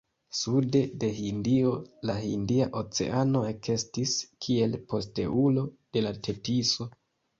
Sude de Hindio la Hindia Oceano ekestis kiel posteulo de la Tetiso.